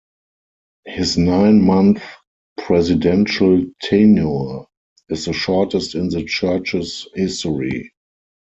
His nine-month presidential tenure is the shortest in the church's history.